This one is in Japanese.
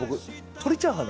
トリチャーハン？